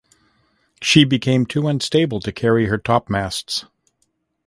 She became too unstable to carry her topmasts.